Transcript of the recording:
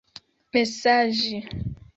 mesaĝi